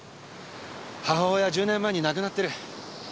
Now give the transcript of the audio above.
母親は１０年前に亡くなってる。